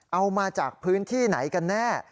เอามาจากพื้นที่ไหนกันแน่